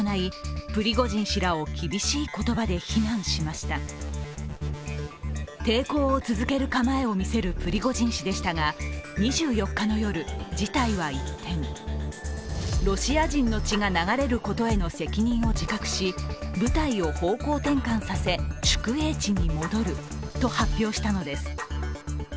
すると、プーチン大統領は抵抗を続ける構えを見せるプリゴジン氏でしたが、２４日の夜、事態は一変ロシア人の血が流れることへの責任を自覚し部隊を方向転換させ宿営地に戻ると発表したのです。